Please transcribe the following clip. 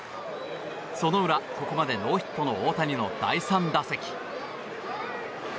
その裏、ここまでノーヒットの大谷の第３打席。